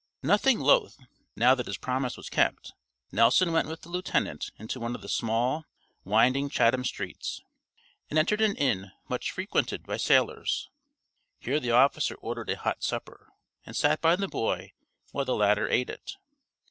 Nothing loath, now that his promise was kept, Nelson went with the lieutenant into one of the small, winding Chatham streets, and entered an inn much frequented by sailors. Here the officer ordered a hot supper, and sat by the boy while the latter ate it.